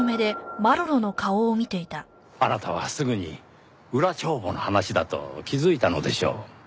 あなたはすぐに裏帳簿の話だと気づいたのでしょう。